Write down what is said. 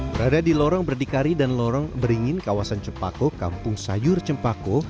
berada di lorong berdikari dan lorong beringin kawasan cepako kampung sayur cempako